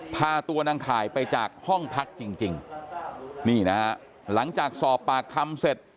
พาตัวนางขายไปจากห้องพักจริงหลังจากสอบปากคำเสร็จ